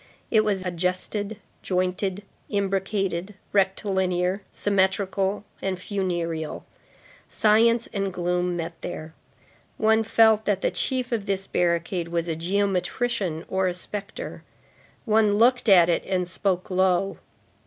It was adjusted, jointed, imbricated, rectilinear, symmetrical and funereal. Science and gloom met there. One felt that the chief of this barricade was a geometrician or a spectre. One looked at it and spoke low.